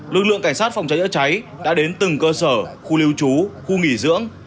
lực lượng cảnh sát phòng cháy đã đến từng cơ sở khu lưu trú khu nghỉ dưỡng